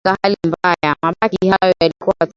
mabaki hayo yalikuwa katika hali mbalimbali